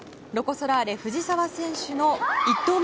ソラーレ藤澤選手の１投目。